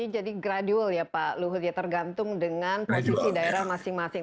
jadi gradual ya pak luhut ya tergantung dengan posisi daerah masing masing